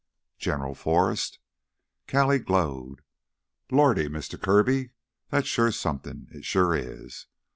"General Forrest!" Callie glowed. "Lordy, Mister Kirby, that's sure somethin', it sure is!